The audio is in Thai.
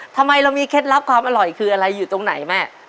ทำไมเรามีเคล็ดลับความอร่อยคืออะไรอยู่ตรงไหนแม่